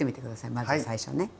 まず最初ね。